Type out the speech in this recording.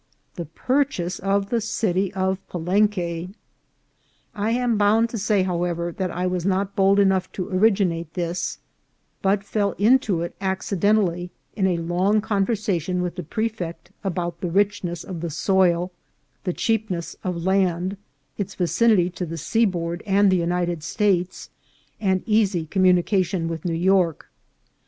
the purchase of the city of Palenque. I am bound to say, however, that I was not bold enough to originate this, but fell into it 'ac cidentally, in a long conversation with the prefect about the richness of the soil, the cheapness of land, its vicin ity to the seaboard and the United States, and easy communication with New York.